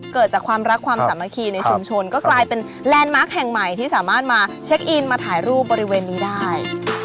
เกิดจากความรักความสามัคคีในชุมชนก็กลายเป็นแลนด์มาร์คแห่งใหม่ที่สามารถมาเช็คอินมาถ่ายรูปบริเวณนี้ได้